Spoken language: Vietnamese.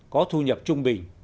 có thu nhập trung bình